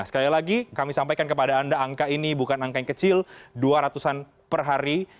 sekali lagi kami sampaikan kepada anda angka ini bukan angka yang kecil dua ratus an per hari